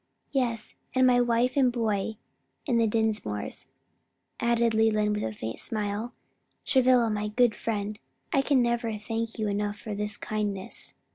"Yes; and my wife and boy and the Dinsmores," added Leland with a faint smile. "Travilla, my good friend, I can never thank you enough for this kindness."